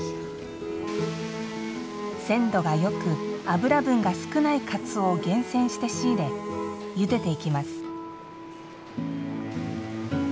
鮮度がよく、脂分が少ないかつおを厳選して仕入れゆでていきます。